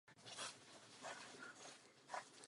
Ve Springfieldu začínají lekce baletu.